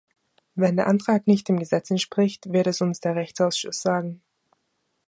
Wenn der Antrag nicht dem Gesetz entspricht, wird es uns der Rechtsausschuss sagen.